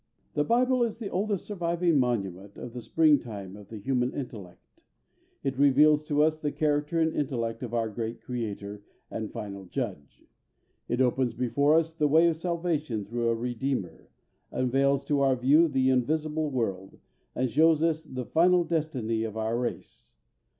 The Bible is the oldest surviving monument of the springtime of the human intellect. It reveals to us the character and intellect of our great Creator and Final Judge. It opens before us the way of salvation through a Redeemer, unveils to our view the invisible world, and shows us the final destiny of our race.